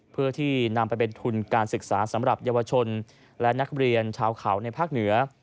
เพื่อที่นำไปเป็นทุนการศึกษาสำหรับเยาวชนและนักเรียนชาวเขาในภาคเหนือ